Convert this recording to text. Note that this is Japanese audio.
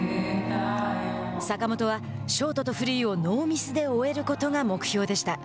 坂本は、ショートとフリーをノーミスで終えることが目標でした。